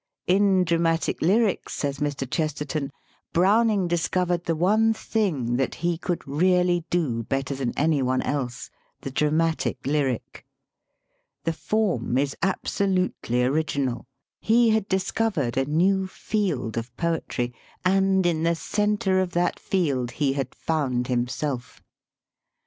"In Dramatic Lyrics," says Mr. Chesterton, "Browning discovered the one thing that he could really do better than any one else the dramatic lyric. The form is absolutely original: he had discovered a new field of 138 LYRIC POETRY poetry, and in the centre of that field he had found himself."